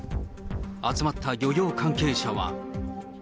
集まった漁業関係者は。